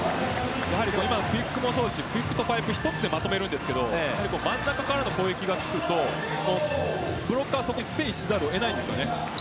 クイックもそうですがクイックとパイプ一つでまとめていますが真ん中からの攻撃がつくとブロックがそこにステイせざるを得なくなります。